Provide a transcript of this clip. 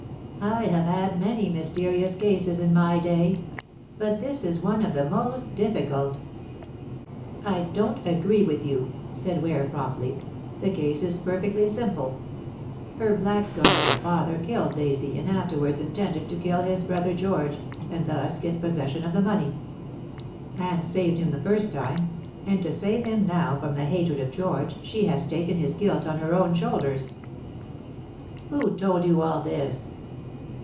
I have had many mysterious cases in my day, but this is one of the most difficult." "I don't agree with you," said Ware promptly. "The case is perfectly simple. Her blackguard of a father killed Daisy and afterwards intended to kill his brother George and thus get possession of the money. Anne saved him the first time, and to save him now from the hatred of George she has taken his guilt on her own shoulders." "Who told you all this?"